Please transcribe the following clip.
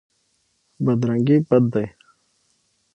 بدرنګي بد دی.